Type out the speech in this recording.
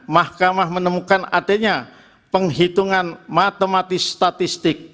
mahkamah menemukan adanya penghitungan matematis statistik